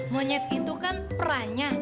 monyet itu kan pranya